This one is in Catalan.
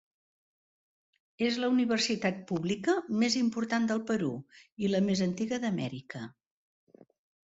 És la universitat pública més important del Perú, i la més antiga d'Amèrica.